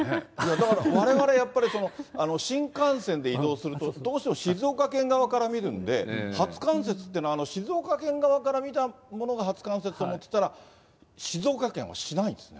だから、われわれやっぱり、新幹線で移動すると、どうしても静岡県側から見るんで、初冠雪というのは静岡県側から見たものが初冠雪と思ってたら、静岡県はしないんですね。